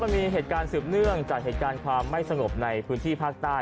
มันมีเหตุการณ์สืบเนื่องจากเหตุการณ์ความไม่สงบในพื้นที่ภาคใต้